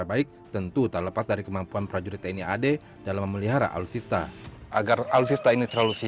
jadi intinya di poin pemeliharaan